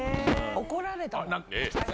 怒られた。